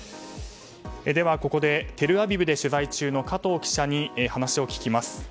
では、ここでテルアビブで取材中の加藤記者に話を聞きます。